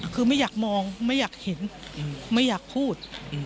คือไม่อยากมองไม่อยากเห็นไม่อยากพูด